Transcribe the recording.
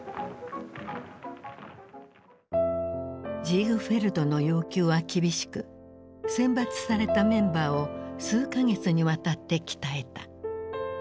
ジーグフェルドの要求は厳しく選抜されたメンバーを数か月にわたって鍛えた。